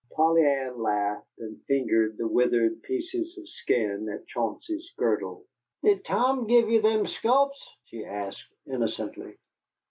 Polly Ann laughed, and fingered the withered pieces of skin at Chauncey's girdle. "Did Tom give you them sculps?" she asked innocently.